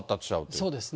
そうですね。